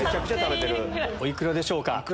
お幾らでしょうか？